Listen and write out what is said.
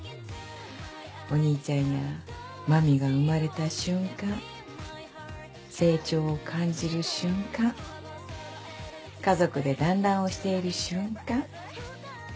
お兄ちゃんや麻美が生まれた瞬間成長を感じる瞬間家族でだんらんをしている瞬間。